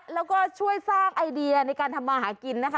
แล้วก็ช่วยสร้างไอเดียในการทำมาหากินนะคะ